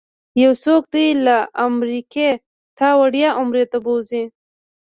یو څوک دې له امریکې تا وړیا عمرې ته بوځي.